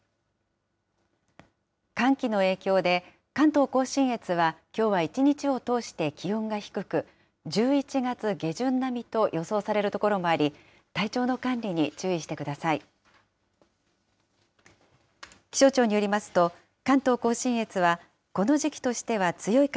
寒気の影響で、関東甲信越はきょうは一日を通して気温が低く、１１月下旬並みと予想される所もあり、体調の管理に注意してください。